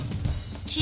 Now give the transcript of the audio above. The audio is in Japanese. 君！